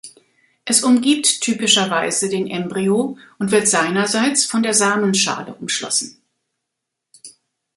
Es umgibt typischerweise den Embryo und wird seinerseits von der Samenschale umschlossen.